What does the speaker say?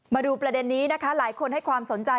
มาดูประเด็นนี้นะคะหลายคนให้ความสนใจ